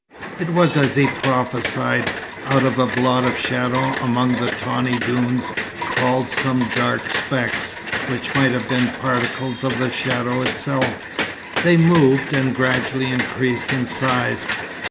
It was as he prophesied. Out of a blot of shadow among the tawny dunes crawled some dark specks, which might have been particles of the shadow itself. They moved, and gradually increased in size.